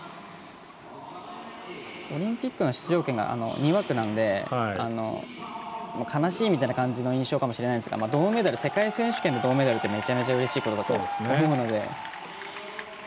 オリンピックの出場権が２枠なので悲しいみたいな感じの印象かもしれないですが世界選手権の銅メダルってめちゃくちゃうれしいと思うので。